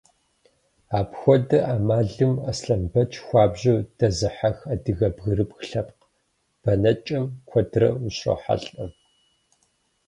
Апхуэдэ ӏэмалым Аслъэнбэч хуабжьу дэзыхьэх адыгэ бгырыпх лъэпкъ бэнэкӏэм куэдрэ ущрохьэлӏэ.